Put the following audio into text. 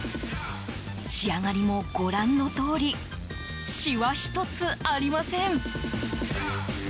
仕上がりもご覧のとおりしわ一つありません。